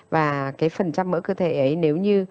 và cái phần trăm mỡ cơ thể ấy nếu như